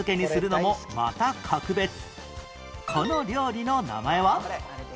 この料理の名前は？